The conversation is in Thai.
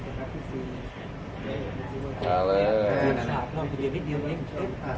สวัสดีครับทุกคน